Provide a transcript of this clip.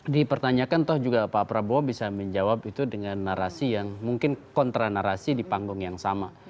dipertanyakan toh juga pak prabowo bisa menjawab itu dengan narasi yang mungkin kontra narasi di panggung yang sama